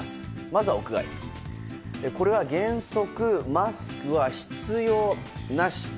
まずは屋外原則マスクは必要なし。